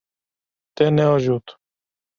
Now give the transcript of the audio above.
Te neajot.